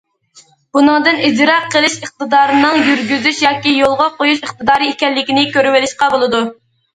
بۇنىڭدىن ئىجرا قىلىش ئىقتىدارىنىڭ يۈرگۈزۈش ياكى يولغا قويۇش ئىقتىدارى ئىكەنلىكىنى كۆرۈۋېلىشقا بولىدۇ.